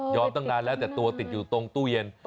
ตั้งนานแล้วแต่ตัวติดอยู่ตรงตู้เย็น